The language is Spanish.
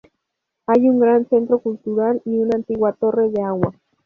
Hay un gran centro cultural y una antigua torre de agua.